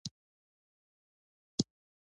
افغان ملت زړور او باعزته دی.